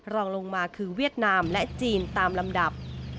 รองลงมาคือเวียดนามและจีนตามลำดับ